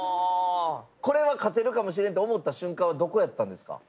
これは勝てるかもしれんと思った瞬間はどこやったんですか？